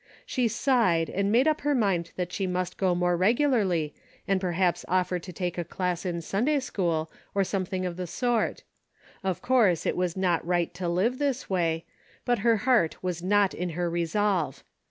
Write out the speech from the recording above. She sighed and made up her mind that she must go more regularly and perhaps offer to take a class in Sunday school or some thing of the sort. Of course it was not right to live this way ; but her heart was not in her resolve.